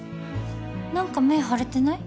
なんか目腫れてない？